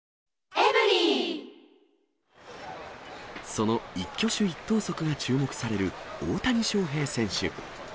その一挙手一投足が注目される、大谷翔平選手。